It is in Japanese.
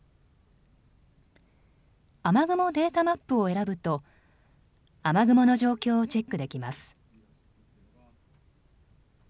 雨雲データマップを選ぶと雨雲の状況をチェックできます。